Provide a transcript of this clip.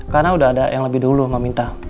karena udah ada yang lebih dulu meminta